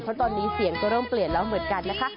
เพราะตอนนี้เสียงก็เริ่มเปลี่ยนแล้วเหมือนกันนะคะ